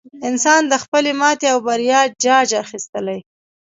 انسان د خپلې ماتې او بریا جاج اخیستلی.